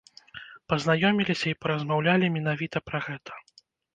Пазнаёміліся і паразмаўлялі менавіта пра гэта.